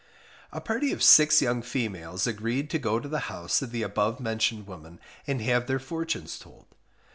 A party of six young females agreed to go to the house of the above mentioned woman and have their fortunes told.